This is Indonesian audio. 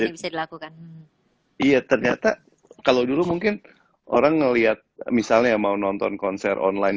bisa dilakukan iya ternyata kalau dulu mungkin orang ngelihat misalnya mau nonton konser online